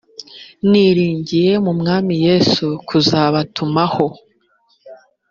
niringiye mu mwami yesu kuzabatumaho